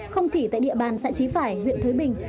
không chỉ tại địa bàn xã trí phải huyện thới bình